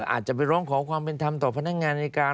อาจจะไปร้องขอความเป็นธรรมต่อพนักงานในการ